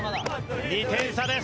２点差です。